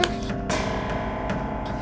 satu batu nisan satu jenazah